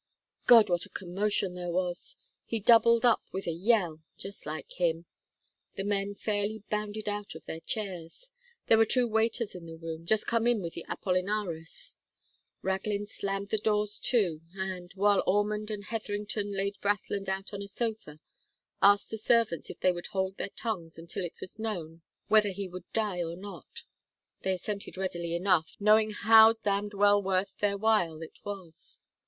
"God! what a commotion there was. He doubled up with a yell just like him. The men fairly bounded out of their chairs. There were two waiters in the room just come in with Apollinaris. Raglin slammed the doors to, and, while Ormond and Hethrington laid Brathland out on a sofa, asked the servants if they would hold their tongues until it was known whether he would die or not. They assented readily enough, knowing how damned well worth their while it was.